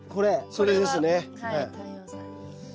それですね。